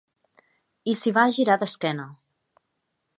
I s'hi va girar d'esquena.